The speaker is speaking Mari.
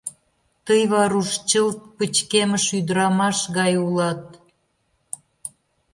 Тый, Варуш, чылт пычкемыш ӱдырамаш гай улат.